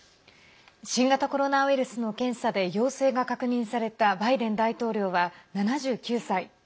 新型コロナウイルスの検査で陽性が確認されたバイデン大統領は７９歳。